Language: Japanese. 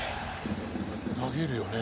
投げるよね？